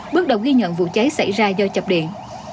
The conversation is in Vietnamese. bước đầu ghi nhận vụ cháy xảy ra do chập điện